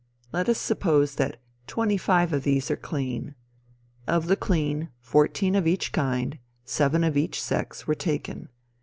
Let us suppose that twenty five of these are clean. Of the clean, fourteen of each kind seven of each sex were taken.